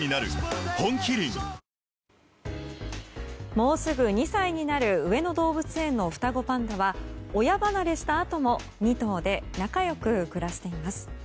もうすぐ２歳になる上野動物園の双子パンダは親離れしたあとも２頭で仲良く暮らしています。